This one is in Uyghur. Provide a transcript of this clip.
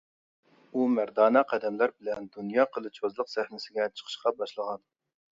ئۇ مەردانە قەدەملەر بىلەن دۇنيا قىلىچۋازلىق سەھنىسىگە چىقىشقا باشلىغان.